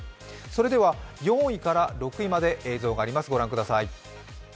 それでは４位から６位まで映像があります、ご覧ください。